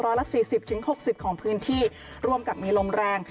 ร้อยละ๔๐๖๐ของพื้นที่ร่วมกับมีลมแรง